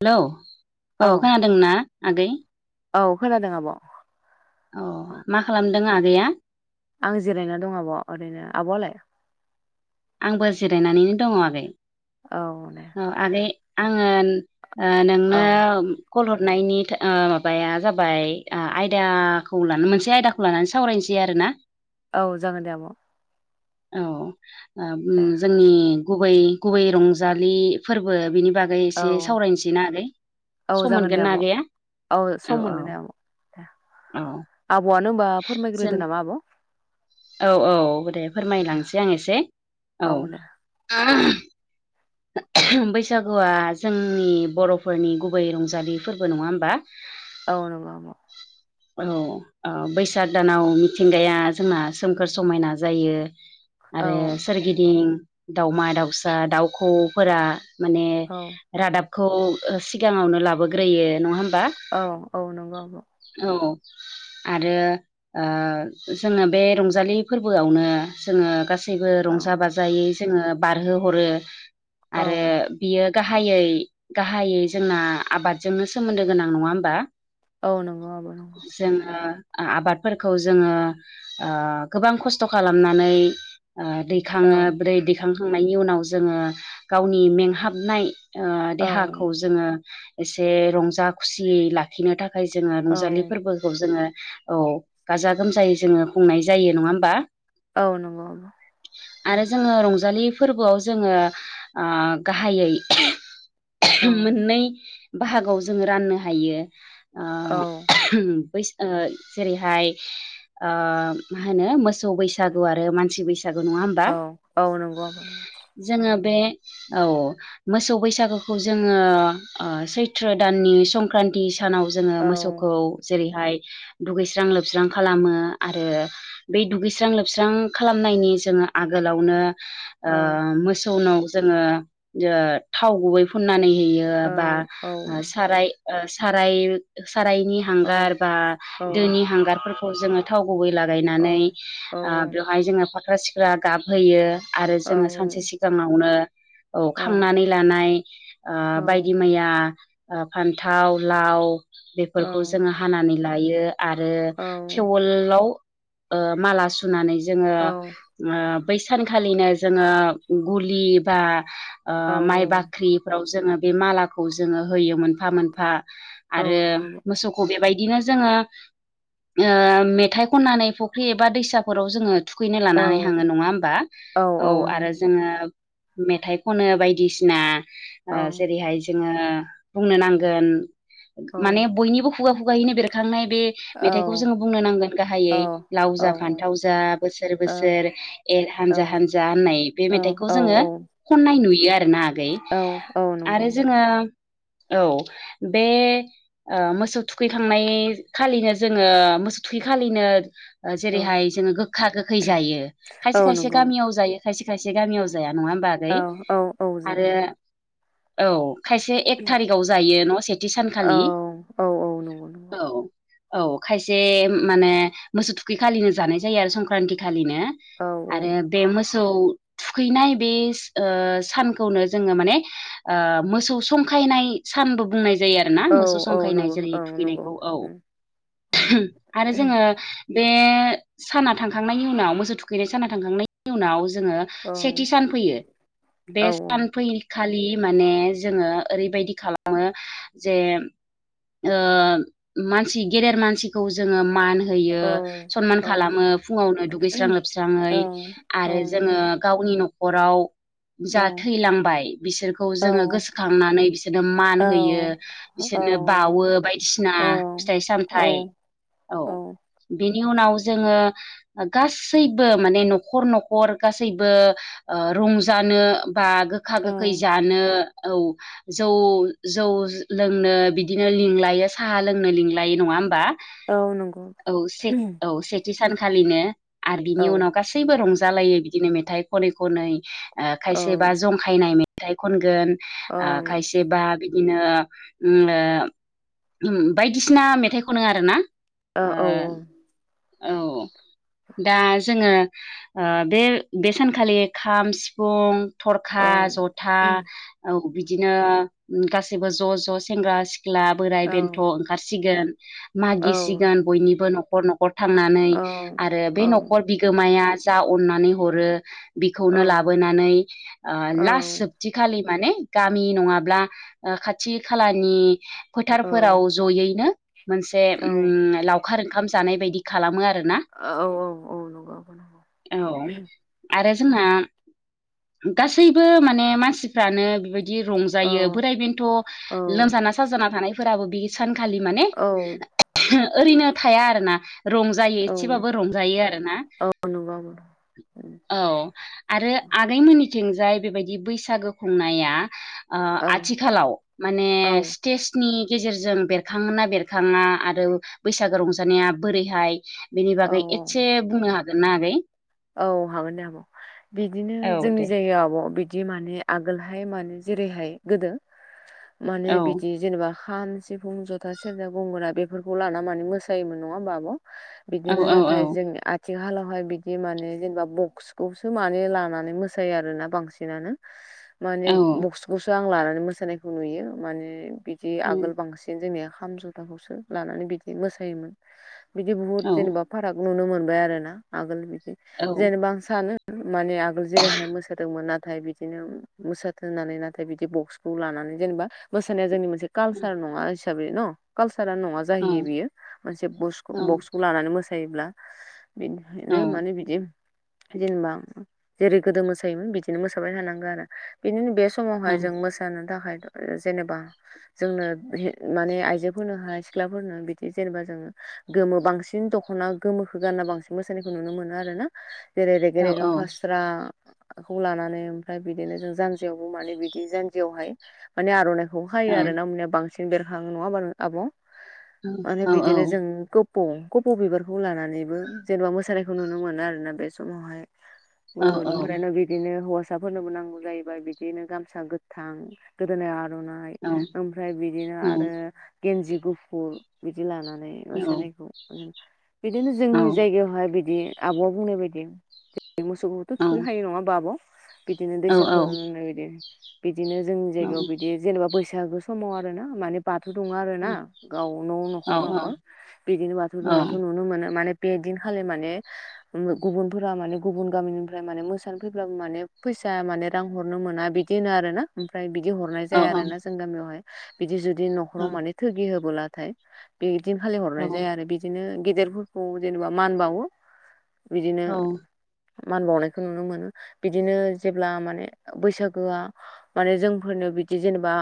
Hello औ खोनादोंना आगै औ खोनादों आब' औ मा खालामदों आगैया आं जिरायनानै दं आब' ओरैनो आब'आलाय आंबो जिरायनानैनो दङ आगै औ दे औ आगै आङो ओ नोंनो औ कल हरनायनि ओ माबाया जाबाय ओ आयदाखौ ला मोनसे आयदाखौ लानानै सावरायनोसै आरोना [inaudible] औ जागोन दे आब' औ ओ ओम दे जोंनि गुबै गुबै रंजालि फोरबो बिनि बागै औ एसे सावरायनोसै ना आगै औ सम जागोन दे मोनगोन ना आब' आगैया औ औ सम औ मोनगोन दे आब' दे औ आब'यानो होनबा जों फोरमायग्रोदो नामा आब' औ औ दे दे फोरमायलांसै आं एसे औ बैसागुया जोंनि बर'फोरनि गुबै रंजालि फोरबो नङा होमबा [inaudible] औ नंगौ आब' औ औ ओ बैसाग दानाव मिथिंगाया जोंना सोमखोर समायना जायो आरो सोरगिदिं दाावमा दाउसा दाउखौफोरा माने औ रादाबखौ सिगाङावनो लाबोग्रोयो नङा होमबा औ औ नंगौ आब' औ आरो ओ जोङो बे रंजालि फोरबोयावनो जोङो गासै गासैबो औ रंजा बाजायै जोङो बारहो हरो औ आरो बियो गाहायै गाहायै जोंना आबादजोंनो सोमोनदो गोनां नङा ओमबा औ नंगौ आब' नं जोङो आबादफोरखौ जोङो ओ गोबां खसथ' खालामनानै ओ दै औ खाङो ब्रै दिखां खांनायनि उनाव जोङो गावनि मेंहाबनाय ओ औ देहाखौ जोङो एसे रंजा खुसियै ला खिनो थाखाय जोङो रंजालि औ फोरबोखौ जोङो औ गाजा गोमजायै जोङो खुंनाय जायो नङा होमबा औ नंगौ आरो जोङो रंजालि फोरबोआव जोङो आ गाहायै औ मोननै बाहागोआव जोङो राननो हायो ओ औ बै ओ जेरैहाय ओ मा होनो मोसौ बैसागु आरो मानसि बैसा सागु नङा होमबा औ औ नंगौ आब' नंगौ। जोङो बे औ मोसौ बैसागोखौ जोङो ओ सैथ्र दाननि संक्रान्ति सानाव जोङो औ मोसौखौ जेरैहाय दुगैस्रां लोबस्रां खालामो आरो बे दुगैस्रां लोबस्रां खालामनायनि जोङो आगोलावनो ओ औ मोसौनाव जोङो ओ थाव गुबै फुननानै होयो ओ बा औ औ साराय ओ साराय सारायनि हांगार औ बा औ दोनि हांगारफोरखौ जोङो थाव गुबै औ लागायनानै ओ बेवहाय जोङो फाख्रा सिख्रा गाबहोयो आरो जोङो सानसे सिगाङावनो औ खांनानै लानाय ओ बायदि मैया फानथाव लाव बेफोरखौ जोङो हानानै लायो आरो टेवोलाव ओ माला सुनानै जोङो बै सानखालिनो जोङो गुलि बा ओ माइ बाख्रि फ्राव जोङो बे मालाखौ जोङो होयो मोनफा मोनफा आरो मोसौ खौ बेबायदिनो जोङो ओ मेथाइ खननानै फुख्रि एबा दैसाफोराव जोङो थुखैनो लानानै हाङो नङा होमबा औ आरो ओ मेथाइ खनो बायदिसिना ओ जेरैहाय जोङो बुंनो नांगोन माने बयनिबो खुगा खुगाहैनो बेरखांनाय बे मेथाइखौ जोङो बुंनो नांगोन गाहायै लाव जा फानथाव जा बोसोर बोसोर एर हानजा हानजा होननाय बे मेथाइखौ जोङो खननाय नुयो आरोना आगै आरो जोङो नंगौ औ बे ओ मोसौ थुखैखांनाय खालिनो जोङो मोसौ थुखैखालिनो ओ जेरैहाय जोङो गोखा गोखै जायो खायसे खायसे गामियाव जायो खायसे खायसे गामियाव जाया नङा होमबा आगै आरो औ खायसे एक थारिखाव जायो न' सेथि सानखालि औ औ खायसे माने मोसौ थुखैखालिनो जानाय जायो आरो संक्रान्ति खालिनो आरो बे मोसौ थुखैनाय बे ओ सानखौनो जोङो माने ओ मोसौ संखायनाय सानबो बुंनाय जायो आरोना मोसौ संखायनाय जेरै थुखैनायखौ औ आरो जोङो बे बे साना थांखांनायनि उनाव मोसौ थुखैनाय साना थांखांनायनि उनाव जोङो सेथि सान फैयो बे सान फै खालि माने जोङो ओरैबायदि खालामो जे ओ मानसि गेदेर मानसिखौ जोङो मान होयो सनमान खालामो फुङावनो दुगैस्रां औ लोबस्राङै औ आरो नंगौ जोङो गावनि न'खराव औ जा थैलांबाय बिसोरखौ औ जोङो गोसोखांनानै बिसोरनो मान औ होयो। बिसोरनो बावो बायदिसिना औ फिथाइ औ सामथाइ औ। बिनि उनाव जोङो गासैबो माने न'खर न'खर गासै गासैबो ओ रंजानो बा गोखा औ गोखै जानो। औ जौ जौ लोंनो बिदिनो लिंलायो साहा लोंनो लिंला लायो नङा होमबा औ नंगौ औ से औ से थि सानखालिनो आरो बिनि औ उनाव गासैबो रंजालायो बिदिनो मेथाइ खनै खनै ओ औ खायसेबा जंखायनाय मेथाइ खनगोन ओ ओं खायसेबा इनो उम ओ उम बायदिसिना मेथाइ खनो आरोना। औ ओ ओं औ दा जोङो ओ बे बे सानखालि खाम सिफुं थरखा जथा औ बिदिनो गासैबो ज' ज' सेंग्रा सिख्ला बोराइ बेन्थ' ओं खारसिगोन मागिसिगोन बयनिबो न'खर न'खर थांनानै आरो बे न'खर बिगोमाया जा अननानै हरो बिखौनो लाबोनानै ओ लास्ट जोब थिखालि माने गामि नङाब्ला ओ खाथि खालानि फोथारफोराव जयैनो मोनसे औ उम लावखार ओंखाम जानाय बायदि खालामो आरोना। ओ औ औ औ नंगौ आब' नंगौ। औ आरो जोंना गासैबो माने मानसिफ्रानो बेबायदि रं औ जायो बोराय बेन्थ' औ लोमजाना साजाना थानायफोराबो बि सानखालि माने औ ओरैनो थाया आरोना रंजायो एदसेबाबो रंजायो आरोना। औ नंगौ आब' नंगौ उम। औ आरो आगैमोननिथिंजाय बेबायदि बैसागो खुंनाया। ओ आथिखालाव माने औ स्टेजनि गेजेरजों बेरखाङोना बेरखाङा आरो। बैसागो रंजानाया बोरैहाय बेनि औ बागै औ एसे बुंनो हागोनना आगै? औ हागोन दे आब' बिदिनो औ जोंनि दे जायगायाव आब' बिदि माने आगोलहाय माने जेरैहाय गोदो माने औ बिदि जेनेबा खाम सिफुं जथा सेरजा गंगोना बेफोरखौ लाना माने मोसायोमोन नङा होमब आब' औ बिदिनो नाथाय औ जों आथिखालावहाय बि बिदि माने जेनेबा बक्सखौसो माने लानानै मोसायो आरोना बांसिनानो माने औ बक्सखौसो आं लानानै मोसानायखौ नुयो माने बिदि आगोल बांसिन दिनो जोंनिया खाम जथाखौसो लानानै बिदि मोसायोमोन बिदि बुहुत जेनेबा औ फाराग नुनो मोनबाय आरो ना आगोल बिदि औ जेनेबा आं सानो। माने आगोल जेरैहाय मोसादोंमोन नाथाय बिदिनो मोसानथोंनानै नाथाय बिदि बक्सखौ लानानै जेनेबा मोसानाया जोंनि मोनसे औ कालसार नङा। न कालसारा नङा औ जाहैयो बियो मोनसे औ बक्सखौ लानानै मोसायोब्ला औ बिनिनो माने जेनेबा जेरै गोदो मोसायोमोन बिदिनो मोसाबाय थानांगोन आरो बिदिनो बे औ समावहाय जों मोसानो थाखाय जेनेबा जोंनो माने आइजोफोरनोहाय सिख्लाफोरनो बिदि जेनेबा जोङो गोमो बांसिन दख'ना गोमोखौो गानना बांसिन मोसानायखौ नुनो मोनो। आरो ना जेरै रेगें औ औ रेगें फास्रा खौ लानानै ओमफ्राय बिदिनो जों जानजियावबो माने बिदि जानजियावहाय। माने आर'इखौ हायो आरो ना मया बांसिन बेरखाङो नङा आब' माने बिदिनो जों कपु' बिबारखौ लानानैबो जेनेबा मोसानायखौ नुनो मोनो आरोोना बे समावहाय औ ओमफ्राय न बि बिदिनो हौवासाफोरनोबो नांगौ जाहैबाय बिदिनो गामसा गोथां गोदोनायाव आर'नाइ औ ओमफ्राय बिदिनो आरो गेन्जि गुफुर बिदि लानानै मोसानायखौ उम बिदिनो जोंनि जायगायावहाय बि बिदि आब'आ बुंनाय बायदि मोसौखौथ' थुखैखायो नङा ओमबा आब'? दिनो दैसाफोर होननाय बायदि बिदिनो जोंनि जायगायाव बिदि जेनेबा बैसागो समाव आरोना माने बाथौ दुङो आरोना गाव न' नखर नखर बिदिनो बाथौ दुंनायखौ नुनो मोनो माने बे दिनखालि माने गुबुनफोरा माने गुबुन गामिनिफ्राय माने मोसानो फैब्लाबो माने फैसा माने रां हरनो मोना बि दि होनो आरोना ओमफ्राय बि बिदि हरनाय जाया आरोना जोंनि गामियावहाय बिदि जुदि नखराव माने थोगि होबोलाथाय बिदिनो फालिहरनाय जाया आरो बिदिनो गेदेरफोरखौ जेनेबा मान बावो। बिदिनो मान बावनायखौ नुनो मोनो बिदिनो जेब्ला माने बैसागोआ माने जोंफोरनो बिदि जेनेबा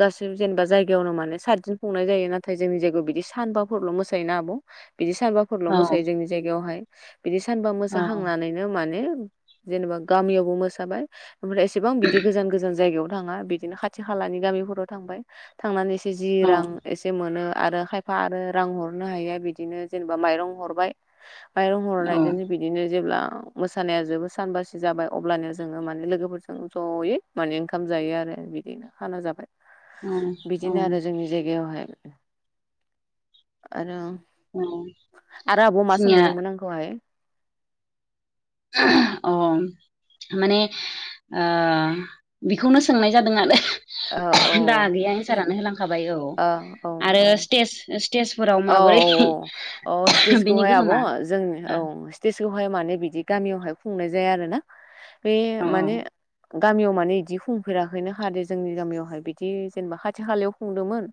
गासैबो जेनेबा जायगायावनो माने सातदिन खुंनाय जायो नाथाय जोंनि जायगायाव बिदि सानबाफोरल' मोसायोना आब'। इदि सानबाफोरल' मोसायो जोंनि जायगायावहाय बिदि सानबा मोसाखांनानै नो माने जेनेबा गामियावबो मोसाबाय ओमफ्राय एसेबां बिदि गोजान गोजान जायगायाव थाङा बिदिनो खाथि खालानि गामिफोराव थांबाय थांनानैसो जि रां एसे मोनो आरो खायफा आरो रां हरनो हायिया बिदिनो जेनेबा माइरं हरबाय। माइरं हरनायदोनो बि दिनो जेब्ला मोसानाया जोबो सानबा से जाबाय अब्लानो जोङो माने लोगोफोरजों जयै माने ओंखाम जायो आरो बिदिनो खाना जाबाय। बिदिनो आरो जोंनि जायगायावहाय आरो औ ओमफाय आब'आ मा सोंबावदोंमोन आंखौहाय? [inaudible] अ माने ओ बेखौनो सोंनाय जादों आरो औ औ दा आगैया एनसारानो होलांखाबाय औ आरो स्टेज स्टेजफोराव माबोरै औ औ बेनि गोहोमा स्टेसखौहाय माने बिदि गामियावहाय खुंनाय जाया आरोना बे औ माने गामियाव माने इदि खुंफेराखैनो खा दे जोंनि गामियावहाय बिदि जेनबा खाथि खालायाव खुंदोंमोन।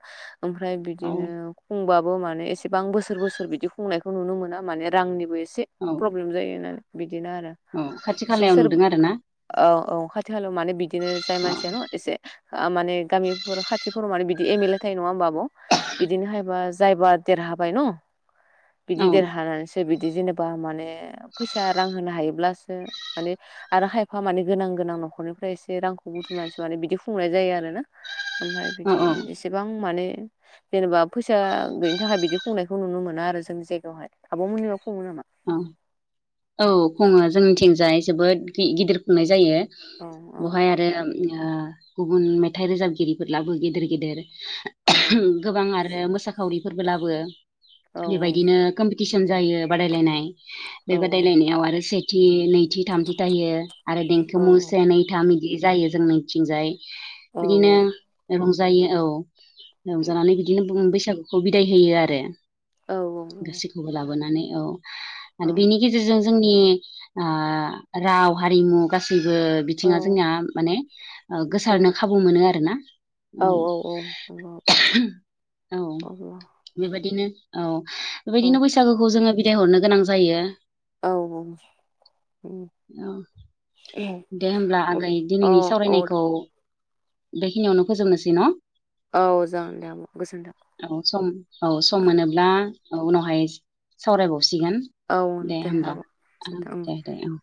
ओमफ्राय औ बिदिनो खुंबा बो एसेबां बोसोर बोसोर बिदि खुंनायखौ नुनो मोना माने रांनिबो एसे औ प्रब्लेम जायो होननानै बिदिनो आरो औ खाथि इसे खालायाव सोर नुदों आरो ना औ औ खाथि खालायाव मानो बिदिनो जाय मानसियान' एसे ओ माने गामिफोर खाथिफोराव माने बिदि एम एल ए थायो नङा ओमबा आब' बिदिनो हायबा जायबा देरहाबाय न औ बिदि देरहानानैसो बिदि जेनेबा माने फैसा रां होनो हायोब्लासो माने आरो खायफा माने गोनां गोनां नखरनिफ्राय एसे रांखौ बुथुमनानैसो माने बिदि खुंनाय जायो आरोना। ओमफ्राय औ बिदि औ एसेबां माने जेनेबा फैसा गैयिनि थाखाय बिदि खुंनायखौ नुनो मोना आरो जोंनि जायगायावहाय आब' मोननियाव खुङो नामा? अ औ खुङो जोंनिथिंजाय जोबोद गिदिर खुंनाय जायो। औ औ बहाय आरो ओ गुबुन मेथाइ रोजाबगिरिफोर लाबो गेदेर गेदेर। गोबां आरो मोसा खावरिफोरबो लाबो औ बेबायदिनो कम्पिटिसन जायो बादाय लायनाय बे औ बादायलायनायाव आरो से थि नैथि थामथि थायो आरो देंखो औ मु से नै थाम इदि जायो जोंनिथिंजाय। औ बिदिनो रंजायो औ औ रंजानानै बिदिनो बैसागु खौ बिदाय होयो आरो। औ औ। औ गासैखौबो लाबोनानै औ आरो बेनि गेजेरजों जोंनि ओ राव हारिमु गासैबो औ बिथिङा जोंनिया माने गोसारनो औ खाबु मोनो आरोना औ अ औ अब्ला बेबायदिनो औ बेबायदिनो बैसागोखौ जोङो बिदाय हरनो गोनां जायो। औ औ औ दे होमब्ला आगै दिनैनि औ सावरायनायखौ बेखिनियावनो फोजोबनोसै न? औ जागोन दे आब' गोजोन्थों औ सम औ सम ओं मोनोब्ला औ उनावहाय सावरायबावसिगोन औ दे होमबा आब' औ गोजोन्थों ओं। दे दे औ